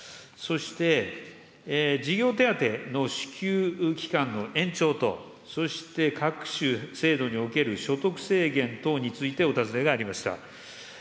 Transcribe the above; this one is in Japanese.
そして、児童手当の支給期間の延長と、そして、各種制度における所得制限等についてお尋ねがありました。